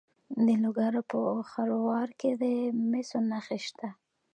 د لوګر په خروار کې د مسو نښې شته.